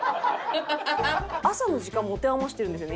朝の時間持て余してるんですよね